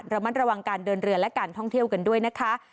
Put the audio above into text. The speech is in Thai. ระมัดระวังการเดินเรือและการท่องเที่ยวกันด้วยนะคะ